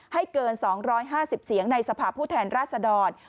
ให้เกิน๒๕๐เสียงในสภาพผู้แทนราชดร